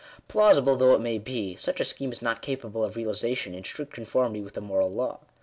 Plausible though it may be, such a scheme is not capable of realization in strict conformity with the moral law.